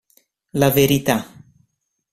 La verità